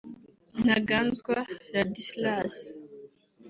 Ntaganzwa Ladislas